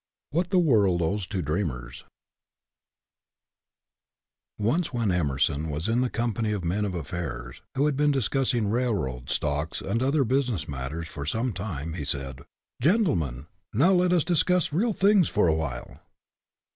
WHAT THE WORLD OWES TO DREAMERS NCE when Emerson was in the com pany of men of affairs, who had been discussing railroads, stocks, and other business matters for some time, he said, " Gentlemen, now let us discuss real things for a while."